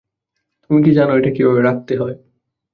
তুমি কি জানো এটা কিভাবে রাখতে হয়?